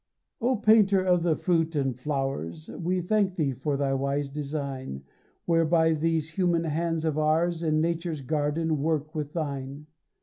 _ O painter of the fruit and flowers, We thank thee for thy wise design, Whereby these human hands of ours In Nature's garden work with thine.